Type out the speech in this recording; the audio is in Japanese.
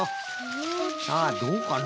さあどうかな？